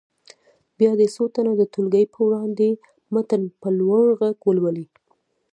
بیا دې څو تنه د ټولګي په وړاندې متن په لوړ غږ ولولي.